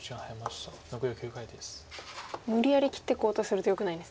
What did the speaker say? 無理やり切っていこうとするとよくないんですね。